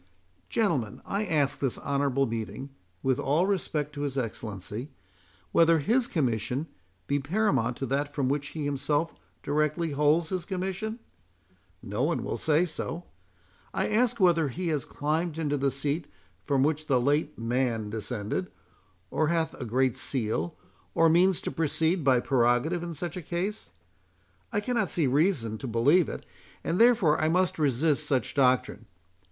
Gentlemen, I ask this honourable meeting, (with all respect to his Excellency,) whether his Commission be paramount to that from which he himself directly holds his commission? No one will say so. I ask whether he has climbed into the seat from which the late Man descended, or hath a great seal, or means to proceed by prerogative in such a case? I cannot see reason to believe it, and therefore I must resist such doctrine.